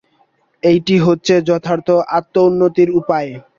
এইটি হচ্ছে যথার্থ আত্মোন্নতির উপায়।